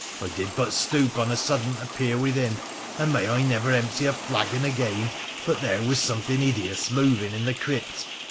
I did but stoop on a sudden to peer within, and may I never empty a flagon again but there was something hideous moving in the crypt